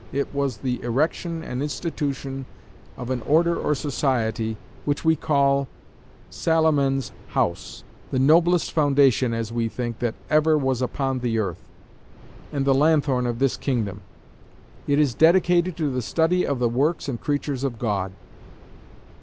It was the erection and institution of an Order or Society, which we call Salomon's House; the noblest foundation (as we think) that ever was upon the earth; and the lanthorn of this kingdom. It is dedicated to the study of the works and creatures of God.